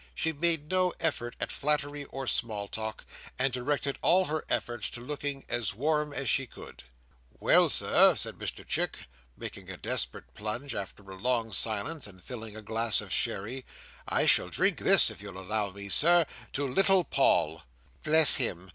She made no effort at flattery or small talk, and directed all her efforts to looking as warm as she could. "Well, Sir," said Mr Chick, making a desperate plunge, after a long silence, and filling a glass of sherry; "I shall drink this, if you'll allow me, Sir, to little Paul." "Bless him!"